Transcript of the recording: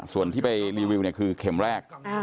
ส่วนที่ไปรีวิวคือเข็มแรก